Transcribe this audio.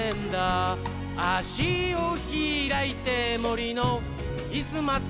「あしをひらいてもりのイスまつ」